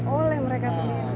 oleh mereka sendiri